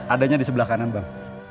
adanya di sebelah kanan bang